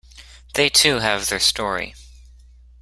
They too have their story.